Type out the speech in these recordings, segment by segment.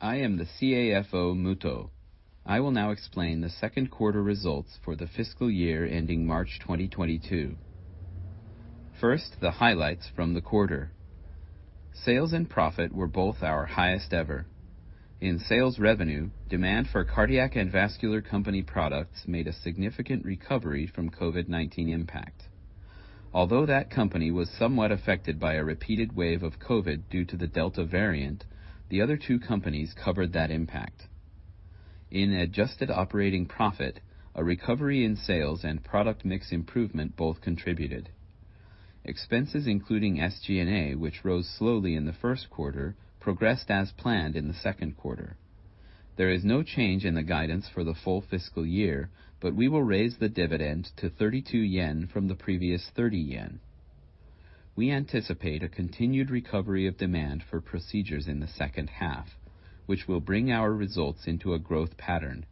I am the CAFO, Muto. I will now explain the second quarter results for the fiscal year ending March 2022. First, the highlights from the quarter. Sales and profit were both our highest ever. In sales revenue, demand for Cardiac and Vascular Company products made a significant recovery from COVID-19 impact. Although that company was somewhat affected by a repeated wave of COVID due to the Delta variant, the other two companies covered that impact. In adjusted operating profit, a recovery in sales and product mix improvement both contributed. Expenses including SG&A, which rose slowly in the first quarter, progressed as planned in the second quarter. There is no change in the guidance for the full fiscal year, but we will raise the dividend to 32 yen from the previous 30 yen. We anticipate a continued recovery of demand for procedures in the second half, which will bring our results into a growth pattern.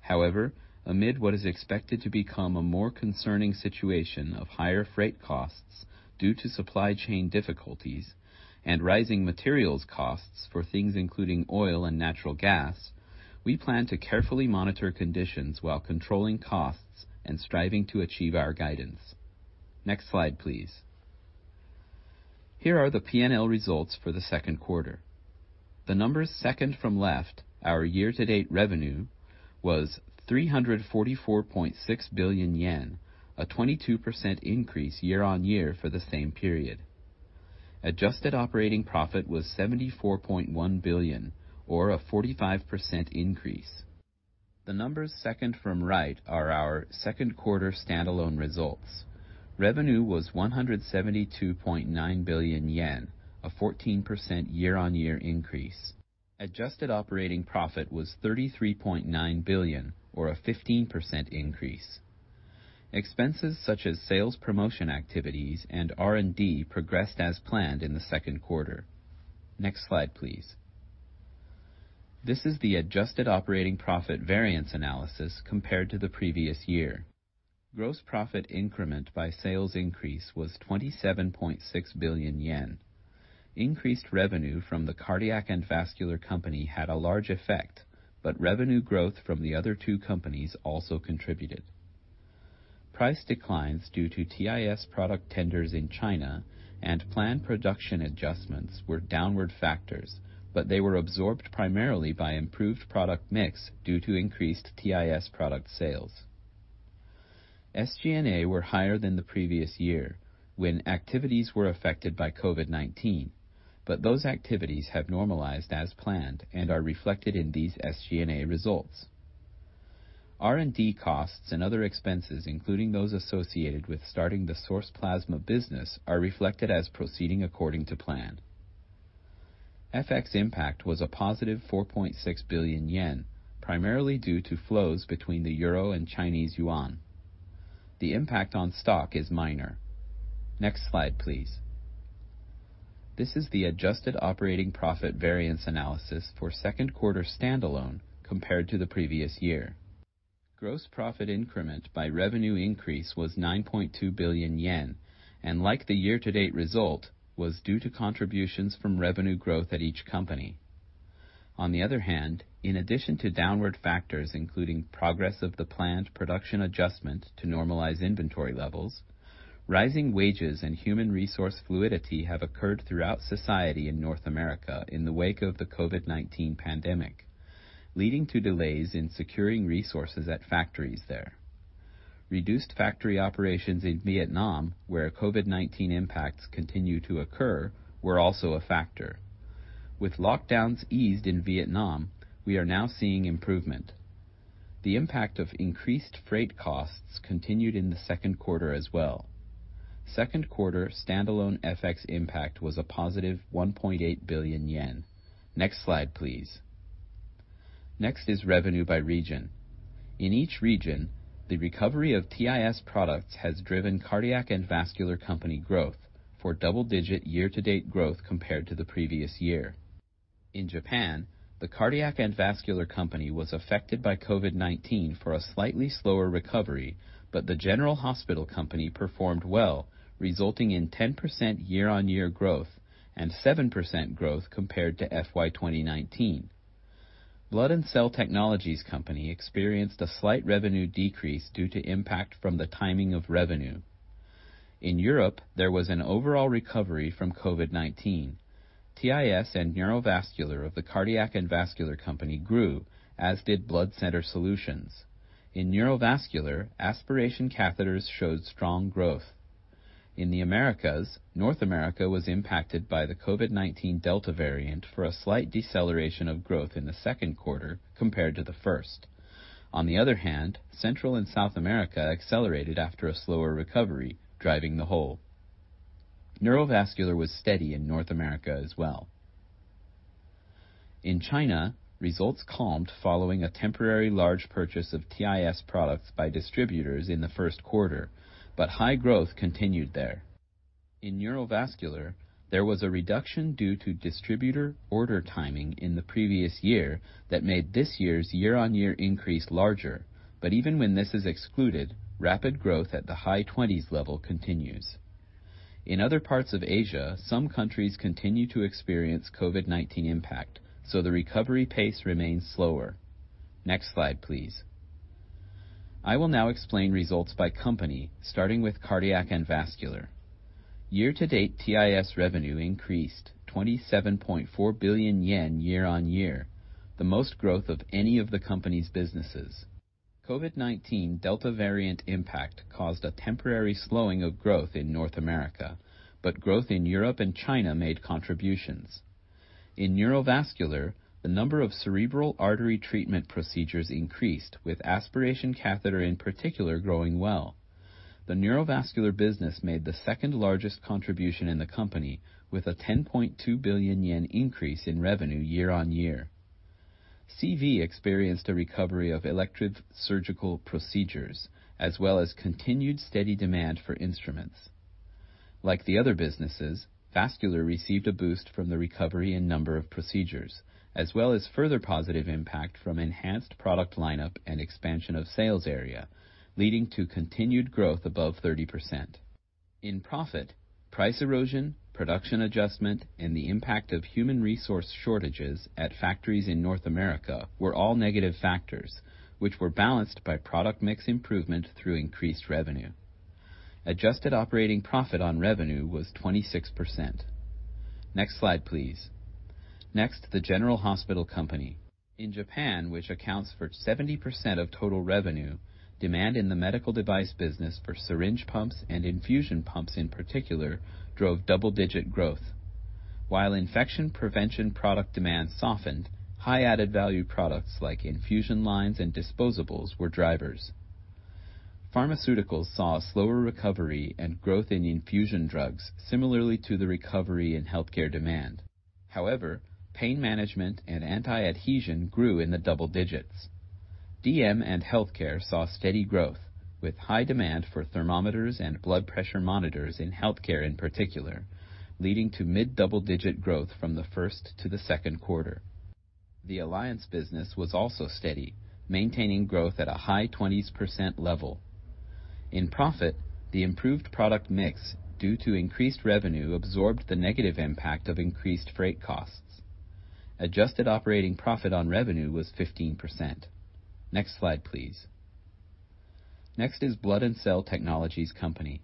However, amid what is expected to become a more concerning situation of higher freight costs due to supply chain difficulties and rising materials costs for things including oil and natural gas, we plan to carefully monitor conditions while controlling costs and striving to achieve our guidance. Next slide, please. Here are the P&L results for the second quarter. The numbers second from left, our year-to-date revenue was 344.6 billion yen, a 22% increase year-on-year for the same period. Adjusted operating profit was 74.1 billion or a 45% increase. The numbers second from right are our second quarter standalone results. Revenue was 172.9 billion yen, a 14% increase year-on-year. Adjusted operating profit was 33.9 billion, or a 15% increase. Expenses such as sales promotion activities and R&D progressed as planned in the second quarter. Next slide, please. This is the adjusted operating profit variance analysis compared to the previous year. Gross profit increment by sales increase was 27.6 billion yen. Increased revenue from the Cardiac and Vascular Company had a large effect, but revenue growth from the other two companies also contributed. Price declines due to TIS product tenders in China and planned production adjustments were downward factors, but they were absorbed primarily by improved product mix due to increased TIS product sales. SG&A were higher than the previous year when activities were affected by COVID-19. Those activities have normalized as planned and are reflected in these SG&A results. R&D costs and other expenses, including those associated with starting the source plasma business, are reflected as proceeding according to plan. FX impact was a positive 4.6 billion yen, primarily due to flows between the euro and Chinese yuan. The impact on stock is minor. Next slide, please. This is the adjusted operating profit variance analysis for second quarter standalone compared to the previous year. Gross profit increment by revenue increase was 9.2 billion yen, and like the year-to-date result, was due to contributions from revenue growth at each company. On the other hand, in addition to downward factors including progress of the planned production adjustment to normalize inventory levels, rising wages and human resource fluidity have occurred throughout society in North America in the wake of the COVID-19 pandemic, leading to delays in securing resources at factories there. Reduced factory operations in Vietnam, where COVID-19 impacts continue to occur, were also a factor. With lockdowns eased in Vietnam, we are now seeing improvement. The impact of increased freight costs continued in the second quarter as well. Second quarter standalone FX impact was a positive 1.8 billion yen. Next slide, please. Next is revenue by region. In each region, the recovery of TIS products has driven Cardiac and Vascular Company growth for double-digit year-to-date growth compared to the previous year. In Japan, the Cardiac and Vascular Company was affected by COVID-19 for a slightly slower recovery, but the General Hospital Company performed well, resulting in 10% year-on-year growth and 7% growth compared to FY 2019. Blood and Cell Technologies Company experienced a slight revenue decrease due to impact from the timing of revenue. In Europe, there was an overall recovery from COVID-19. TIS and Neurovascular of the Cardiac and Vascular Company grew as did blood center solutions. In Neurovascular, aspiration catheters showed strong growth. In the Americas, North America was impacted by the COVID-19 Delta variant for a slight deceleration of growth in the second quarter compared to the first. On the other hand, Central and South America accelerated after a slower recovery driving the whole. Neurovascular was steady in North America as well. In China, results calmed following a temporary large purchase of TIS products by distributors in the first quarter but high growth continued there. In Neurovascular, there was a reduction due to distributor order timing in the previous year that made this year's year-on-year increase larger. Even when this is excluded, rapid growth at the high twenties level continues. In other parts of Asia, some countries continue to experience COVID-19 impact, so the recovery pace remains slower. Next slide, please. I will now explain results by company, starting with Cardiac and Vascular. Year-to-date TIS revenue increased 27.4 billion yen year-on-year, the most growth of any of the company's businesses. COVID-19 Delta variant impact caused a temporary slowing of growth in North America, but growth in Europe and China made contributions. In Neurovascular, the number of cerebral artery treatment procedures increased, with aspiration catheter in particular growing well. The Neurovascular business made the second-largest contribution in the company with a 10.2 billion yen increase in revenue year-on-year. CV experienced a recovery of elective surgical procedures as well as continued steady demand for instruments. Like the other businesses, Vascular received a boost from the recovery in number of procedures, as well as further positive impact from enhanced product lineup and expansion of sales area, leading to continued growth above 30%. In profit, price erosion, production adjustment, and the impact of human resource shortages at factories in North America were all negative factors, which were balanced by product mix improvement through increased revenue. Adjusted operating profit on revenue was 26%. Next slide, please. Next, the General Hospital Company. In Japan, which accounts for 70% of total revenue, demand in the medical device business for syringe pumps and infusion pumps in particular drove double-digit growth. While infection prevention product demand softened, high added value products like infusion lines and disposables were drivers. Pharmaceuticals saw a slower recovery and growth in infusion drugs similarly to the recovery in healthcare demand. However, pain management and anti-adhesion grew in the double digits. DM and healthcare saw steady growth with high demand for thermometers and blood pressure monitors in healthcare in particular, leading to mid-double-digit growth from the first to the second quarter. The alliance business was also steady, maintaining growth at a high 20s% level. In profit, the improved product mix due to increased revenue absorbed the negative impact of increased freight costs. Adjusted operating profit on revenue was 15%. Next slide, please. Next is Blood and Cell Technologies Company.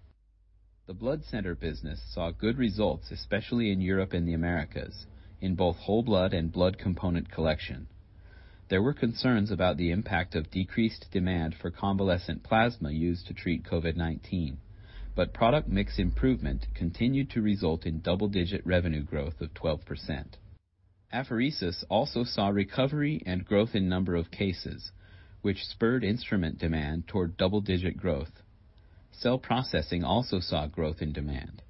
The blood center business saw good results, especially in Europe and the Americas, in both whole blood and blood component collection. There were concerns about the impact of decreased demand for convalescent plasma used to treat COVID-19, but product mix improvement continued to result in double-digit revenue growth of 12%. Apheresis also saw recovery and growth in number of cases which spurred instrument demand toward double-digit growth. Cell processing also saw growth in demand.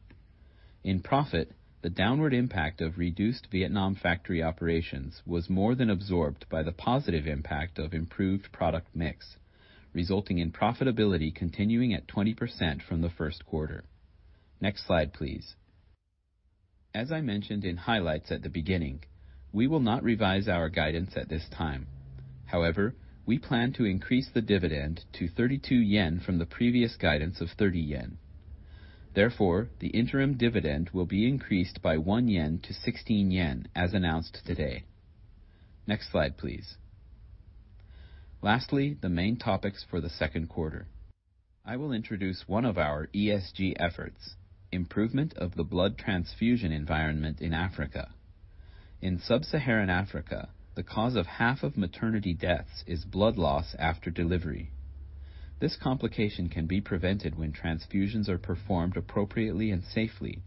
In profit, the downward impact of reduced Vietnam factory operations was more than absorbed by the positive impact of improved product mix, resulting in profitability continuing at 20% from the first quarter. Next slide, please. As I mentioned in highlights at the beginning, we will not revise our guidance at this time. However, we plan to increase the dividend to 32 yen from the previous guidance of 30 yen. Therefore, the interim dividend will be increased by 1 yen to 16 yen as announced today. Next slide, please. Lastly, the main topics for the second quarter. I will introduce one of our ESG efforts. Improvement of the blood transfusion environment in Africa. In sub-Saharan Africa, the cause of half of maternity deaths is blood loss after delivery. This complication can be prevented when transfusions are performed appropriately and safely,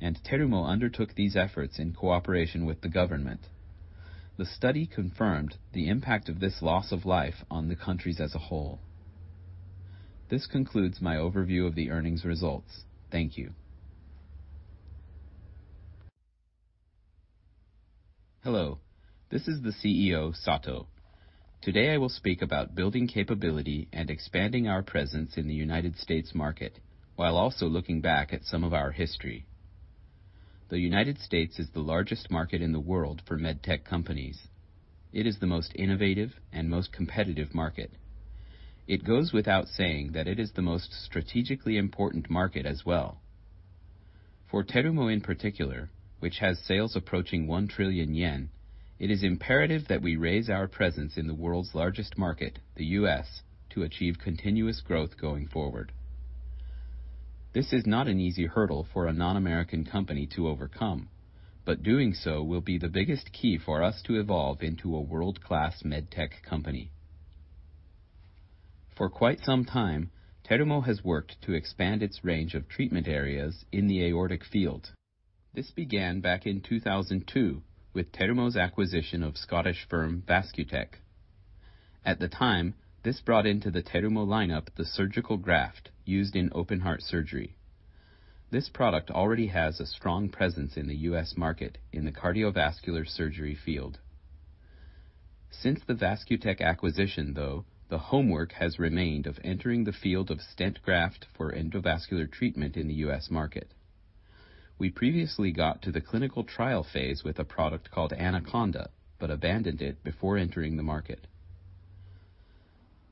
and Terumo undertook these efforts in cooperation with the government. The study confirmed the impact of this loss of life on the countries as a whole. This concludes my overview of the earnings results. Thank you. Hello, this is the CEO, Sato. Today I will speak about building capability and expanding our presence in the United States market while also looking back at some of our history. The United States is the largest market in the world for med tech companies. It is the most innovative and most competitive market. It goes without saying that it is the most strategically important market as well. For Terumo in particular, which has sales approaching 1 trillion yen, it is imperative that we raise our presence in the world's largest market, the U.S., to achieve continuous growth going forward. This is not an easy hurdle for a non-American company to overcome, but doing so will be the biggest key for us to evolve into a world-class med tech company. For quite some time, Terumo has worked to expand its range of treatment areas in the aortic field. This began back in 2002 with Terumo's acquisition of Scottish firm, Vascutek. At the time, this brought into the Terumo lineup the surgical graft used in open heart surgery. This product already has a strong presence in the U.S. market in the cardiovascular surgery field. Since the Vascutek acquisition, though, the homework has remained of entering the field of stent graft for endovascular treatment in the U.S. market. We previously got to the clinical trial phase with a product called Anaconda, but abandoned it before entering the market.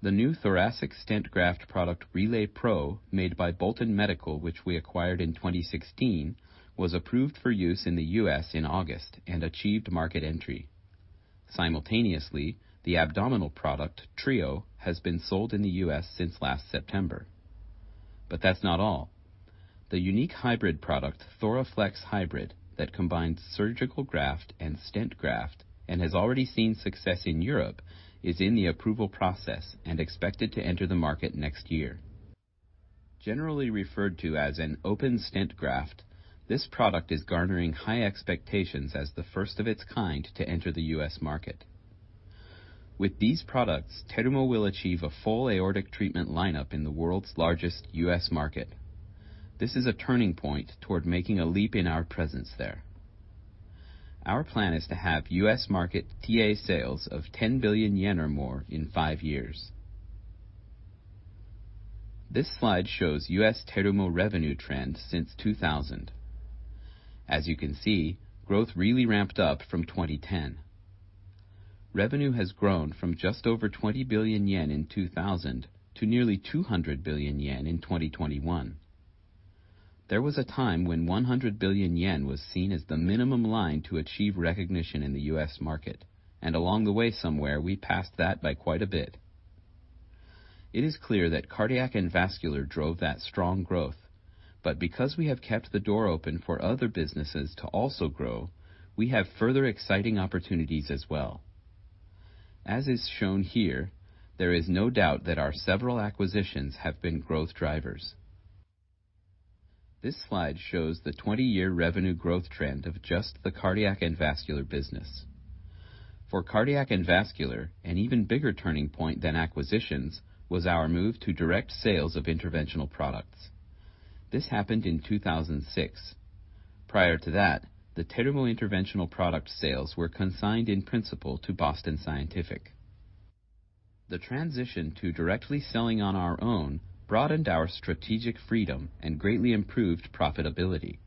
The new thoracic stent graft product, RelayPro, made by Bolton Medical, which we acquired in 2016, was approved for use in the U.S. in August and achieved market entry. Simultaneously, the abdominal product, TREO, has been sold in the U.S. since last September. That's not all. The unique hybrid product, Thoraflex Hybrid, that combines surgical graft and stent graft and has already seen success in Europe, is in the approval process and expected to enter the market next year. Generally referred to as an open stent graft, this product is garnering high expectations as the first of its kind to enter the U.S. market. With these products, Terumo will achieve a full aortic treatment lineup in the world's largest U.S. market. This is a turning point toward making a leap in our presence there. Our plan is to have U.S. market TA sales of 10 billion yen or more in five years. This slide shows U.S. Terumo revenue trends since 2000. As you can see, growth really ramped up from 2010. Revenue has grown from just over 20 billion yen in 2000 to nearly 200 billion yen in 2021. There was a time when 100 billion yen was seen as the minimum line to achieve recognition in the U.S. market, and along the way somewhere, we passed that by quite a bit. It is clear that Cardiac and Vascular drove that strong growth. Because we have kept the door open for other businesses to also grow, we have further exciting opportunities as well. As is shown here, there is no doubt that our several acquisitions have been growth drivers. This slide shows the 20-year revenue growth trend of just the Cardiac and Vascular business. For Cardiac and Vascular, an even bigger turning point than acquisitions was our move to direct sales of interventional products. This happened in 2006. Prior to that, the Terumo interventional product sales were consigned in principle to Boston Scientific. The transition to directly selling on our own broadened our strategic freedom and greatly improved profitability.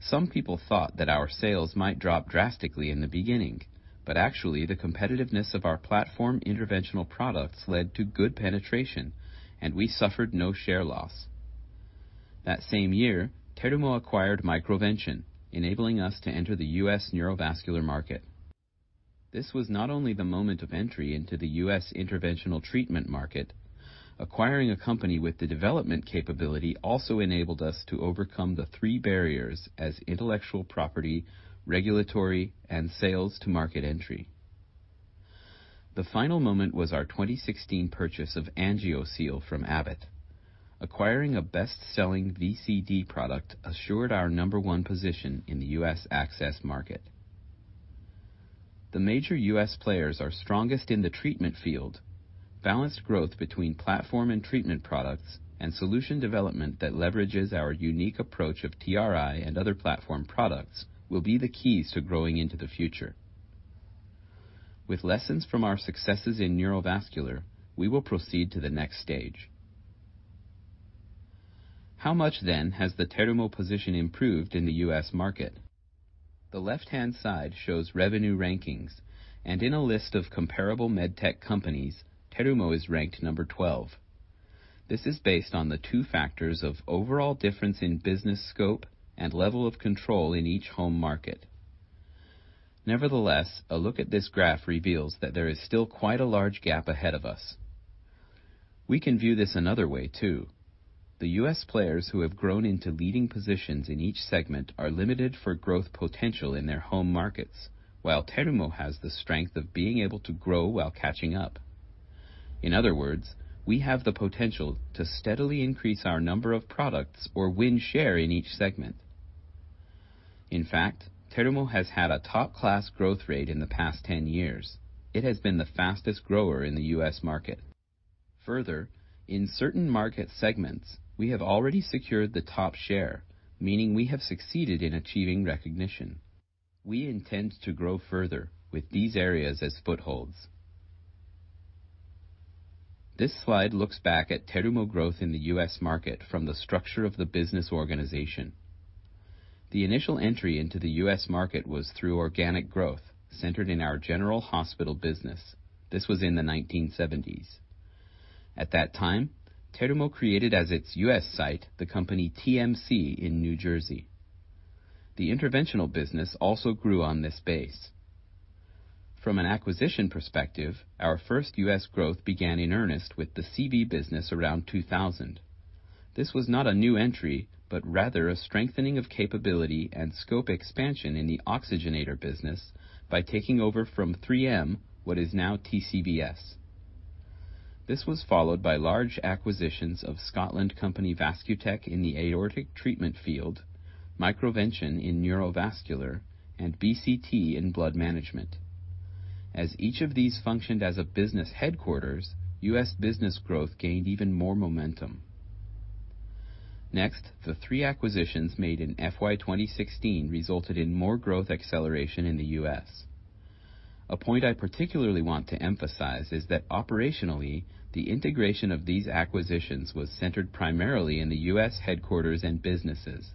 Some people thought that our sales might drop drastically in the beginning, but actually, the competitiveness of our platform interventional products led to good penetration, and we suffered no share loss. That same year, Terumo acquired MicroVention, enabling us to enter the U.S. neurovascular market. This was not only the moment of entry into the U.S. interventional treatment market. Acquiring a company with the development capability also enabled us to overcome the three barriers as intellectual property, regulatory, and sales to market entry. The final moment was our 2016 purchase of Angio-Seal from Abbott. Acquiring a best-selling VCD product assured our number one position in the U.S. access market. The major U.S. players are strongest in the treatment field. Balanced growth between platform and treatment products and solution development that leverages our unique approach of TRI and other platform products will be the keys to growing into the future. With lessons from our successes in neurovascular, we will proceed to the next stage. How much then has the Terumo position improved in the U.S. market? The left-hand side shows revenue rankings, and in a list of comparable med tech companies, Terumo is ranked number 12. This is based on the two factors of overall difference in business scope and level of control in each home market. Nevertheless, a look at this graph reveals that there is still quite a large gap ahead of us. We can view this another way, too. The U.S. players who have grown into leading positions in each segment are limited for growth potential in their home markets, while Terumo has the strength of being able to grow while catching up. In other words, we have the potential to steadily increase our number of products or win share in each segment. In fact, Terumo has had a top-class growth rate in the past 10 years. It has been the fastest grower in the U.S. market. Further, in certain market segments, we have already secured the top share, meaning we have succeeded in achieving recognition. We intend to grow further with these areas as footholds. This slide looks back at Terumo growth in the U.S. market from the structure of the business organization. The initial entry into the U.S. market was through organic growth centered in our general hospital business. This was in the 1970s. At that time, Terumo created as its U.S. site the company TMC in New Jersey. The interventional business also grew on this base. From an acquisition perspective, our first U.S. growth began in earnest with the CV business around 2000. This was not a new entry, but rather a strengthening of capability and scope expansion in the oxygenator business by taking over from 3M what is now TCVS. This was followed by large acquisitions of Scottish company Vascutek in the aortic treatment field, MicroVention in neurovascular, and BCT in blood management. As each of these functioned as a business headquarters, U.S. business growth gained even more momentum. Next, the three acquisitions made in FY 2016 resulted in more growth acceleration in the U.S. A point I particularly want to emphasize is that operationally, the integration of these acquisitions was centered primarily in the U.S. headquarters and businesses.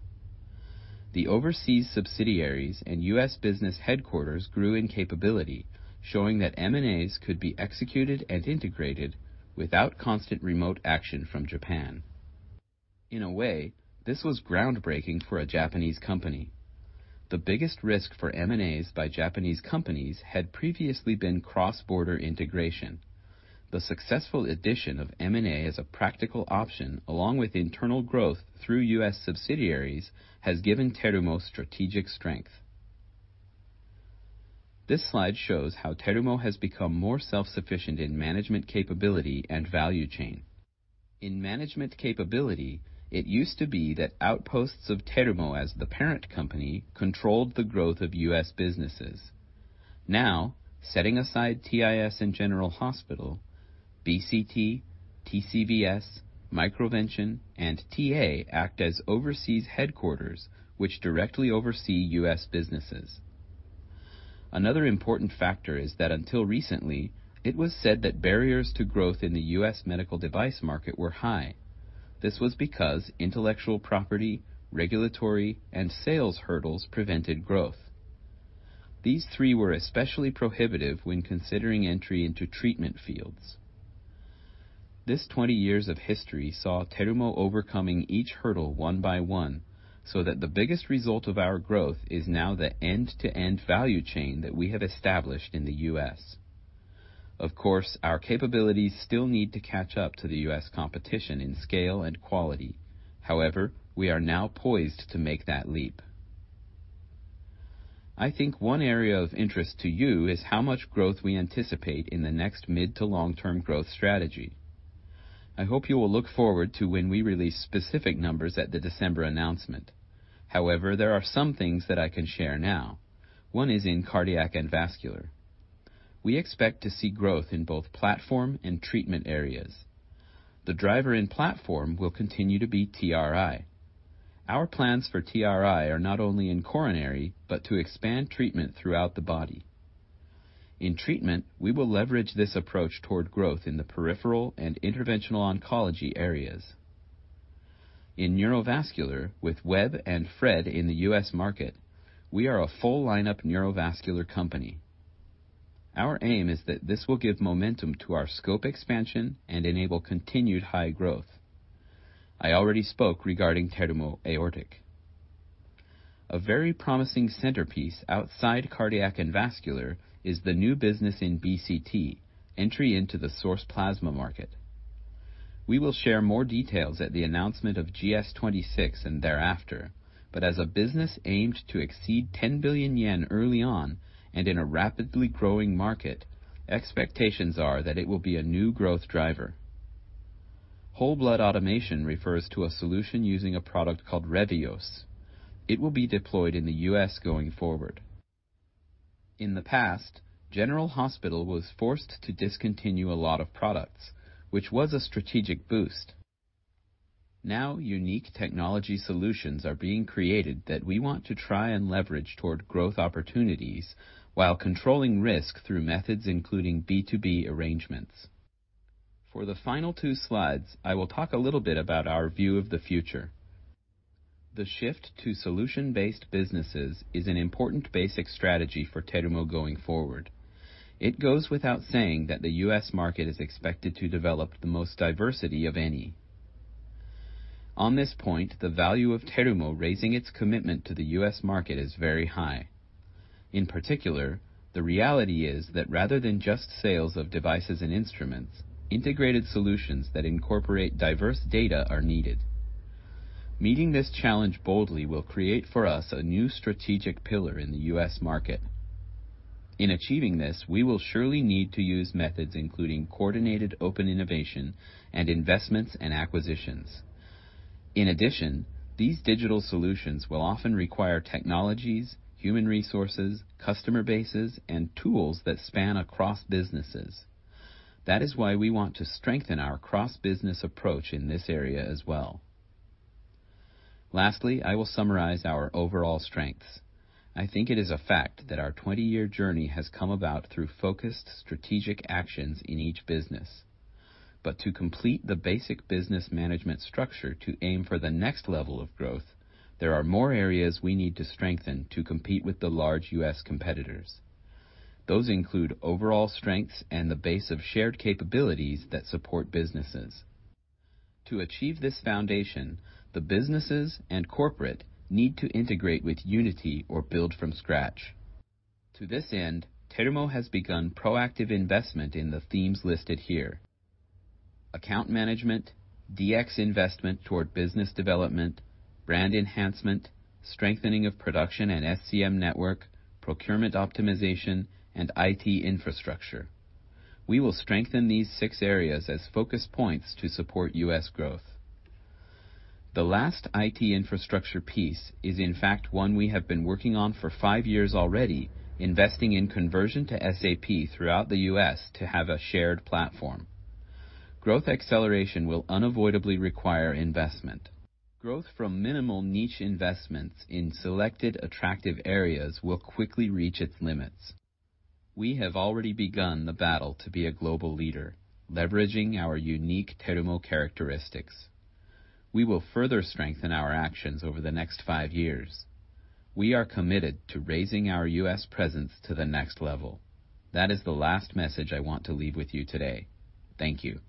The overseas subsidiaries and U.S. business headquarters grew in capability, showing that M&As could be executed and integrated without constant remote action from Japan. In a way, this was groundbreaking for a Japanese company. The biggest risk for M&As by Japanese companies had previously been cross-border integration. The successful addition of M&A as a practical option along with internal growth through U.S. subsidiaries has given Terumo strategic strength. This slide shows how Terumo has become more self-sufficient in management capability and value chain. In management capability, it used to be that outposts of Terumo as the parent company controlled the growth of U.S. businesses. Now, setting aside TIS and General Hospital, BCT, TCVS, MicroVention, and TA act as overseas headquarters which directly oversee U.S. businesses. Another important factor is that until recently, it was said that barriers to growth in the U.S. medical device market were high. This was because intellectual property, regulatory, and sales hurdles prevented growth. These three were especially prohibitive when considering entry into treatment fields. This 20 years of history saw Terumo overcoming each hurdle one by one so that the biggest result of our growth is now the end-to-end value chain that we have established in the U.S. Of course, our capabilities still need to catch up to the U.S. competition in scale and quality. However, we are now poised to make that leap. I think one area of interest to you is how much growth we anticipate in the next mid- to long-term growth strategy. I hope you will look forward to when we release specific numbers at the December announcement. However, there are some things that I can share now. One is in Cardiac and Vascular. We expect to see growth in both platform and treatment areas. The driver in platform will continue to be TRI. Our plans for TRI are not only in coronary but to expand treatment throughout the body. In treatment, we will leverage this approach toward growth in the peripheral and interventional oncology areas. In neurovascular with WEB and FRED in the U.S. market, we are a full lineup neurovascular company. Our aim is that this will give momentum to our scope expansion and enable continued high growth. I already spoke regarding Terumo Aortic. A very promising centerpiece outside cardiac and vascular is the new business in BCT entry into the source plasma market. We will share more details at the announcement of GS26 and thereafter. As a business aimed to exceed 10 billion yen early on and in a rapidly growing market, expectations are that it will be a new growth driver. Whole blood automation refers to a solution using a product called Reveos. It will be deployed in the U.S. going forward. In the past, General Hospital was forced to discontinue a lot of products, which was a strategic boost. Now, unique technology solutions are being created that we want to try and leverage toward growth opportunities while controlling risk through methods including B2B arrangements. For the final two slides, I will talk a little bit about our view of the future. The shift to solution-based businesses is an important basic strategy for Terumo going forward. It goes without saying that the U.S. market is expected to develop the most diversity of any. On this point, the value of Terumo raising its commitment to the U.S. market is very high. In particular, the reality is that rather than just sales of devices and instruments, integrated solutions that incorporate diverse data are needed. Meeting this challenge boldly will create for us a new strategic pillar in the U.S. market. In achieving this, we will surely need to use methods including coordinated open innovation and investments and acquisitions. In addition, these digital solutions will often require technologies, human resources, customer bases, and tools that span across businesses. That is why we want to strengthen our cross-business approach in this area as well. Lastly, I will summarize our overall strengths. I think it is a fact that our 20-year journey has come about through focused strategic actions in each business. To complete the basic business management structure to aim for the next level of growth, there are more areas we need to strengthen to compete with the large U.S. competitors. Those include overall strengths and the base of shared capabilities that support businesses. To achieve this foundation, the businesses and corporate need to integrate with unity or build from scratch. To this end, Terumo has begun proactive investment in the themes listed here. Account management, DX investment toward business development, brand enhancement, strengthening of production and SCM network, procurement optimization, and IT infrastructure. We will strengthen these six areas as focus points to support U.S. growth. The last IT infrastructure piece is in fact one we have been working on for five years already, investing in conversion to SAP throughout the U.S. to have a shared platform. Growth acceleration will unavoidably require investment. Growth from minimal niche investments in selected attractive areas will quickly reach its limits. We have already begun the battle to be a global leader, leveraging our unique Terumo characteristics. We will further strengthen our actions over the next five years. We are committed to raising our U.S. presence to the next level. That is the last message I want to leave with you today. Thank you.